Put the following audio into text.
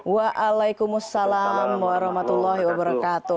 waalaikumsalam warahmatullahi wabarakatuh